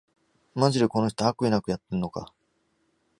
マジでこの人、悪意なくやってるのか